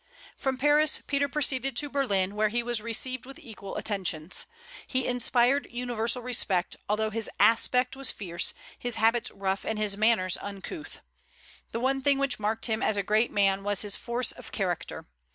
From Paris, Peter proceeded to Berlin, where he was received with equal attentions. He inspired universal respect, although his aspect was fierce, his habits rough, and his manners uncouth. The one thing which marked him as a great man was his force of character.